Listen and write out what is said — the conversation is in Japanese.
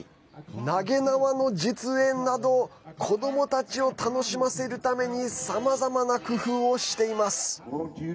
投げ縄の実演など子どもたちを楽しませるためにさまざまな工夫をしています。